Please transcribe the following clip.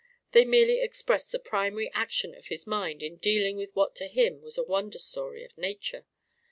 They merely expressed the primary action of his mind in dealing with what to him was a wonder story of Nature.